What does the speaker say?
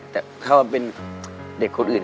แต่ถ้าเป็นเด็กคนอื่น